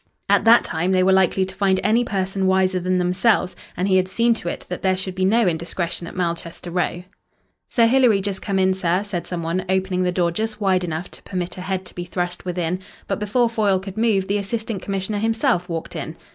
At that time they were likely to find any person wiser than themselves, and he had seen to it that there should be no indiscretion at Malchester Row. "Sir Hilary just come in, sir," said some one, opening the door just wide enough to permit a head to be thrust within; but before Foyle could move the Assistant Commissioner himself walked in.